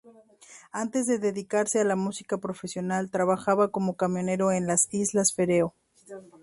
Antes de dedicarse a la música profesionalmente, trabajaba como camionero en las Islas Feroe.